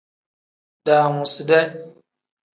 Daamuside.